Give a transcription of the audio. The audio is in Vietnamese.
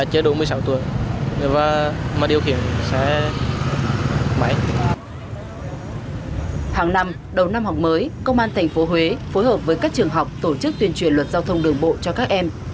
hàng năm đầu năm học mới công an tp huế phối hợp với các trường học tổ chức tuyên truyền luật giao thông đường bộ cho các em